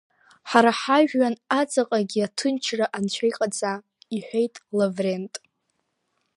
Ҳара ҳажәҩан аҵаҟагьы аҭынчра Анцәа иҟаҵа, – иҳәеит Лаврент…